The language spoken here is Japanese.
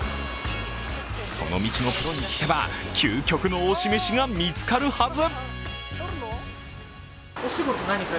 その道のプロに聞けば、究極の推しメシが見つかるはず。